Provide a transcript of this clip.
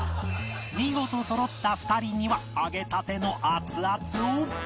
見事そろった２人には揚げたての熱々を